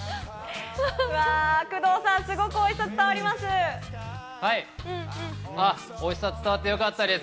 工藤さん、すごくおいしさ伝わります。